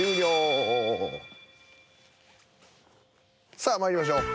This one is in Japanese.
さあまいりましょう。